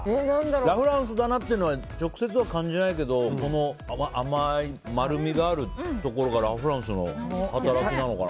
ラ・フランスだなっていうのは直接は感じないけど甘い丸みがあるところがラ・フランスの働きなのかな。